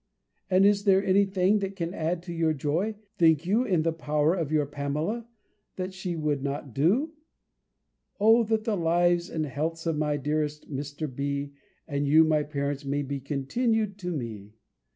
And is there any thing that can add to your joy, think you, in the power of your Pamela, that she would not do? O that the lives and healths of my dearest Mr. B. and you, my parents, may be continued to me!